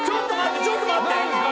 ちょっと待って！